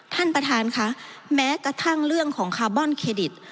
ท่านประธานค่ะแม้กระทั่งเรื่องของคาร์บอนเครดิต